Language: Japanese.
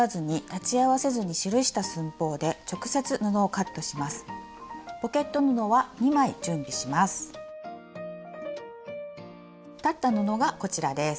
裁った布がこちらです。